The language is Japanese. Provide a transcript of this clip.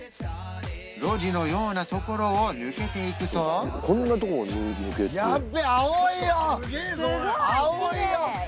路地のようなところを抜けていくとすげえぞおい！